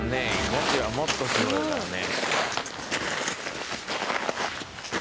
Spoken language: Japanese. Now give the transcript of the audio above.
ロケはもっとすごいからね。